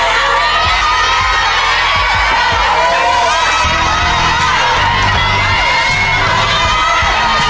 คุณหมอรุนของคุณค่ะ